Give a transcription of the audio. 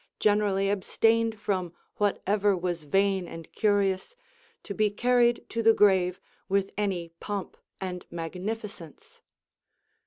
9ίί generally abstained from whatever was vain and curious to be carried to the grave with any pomp and magnificence.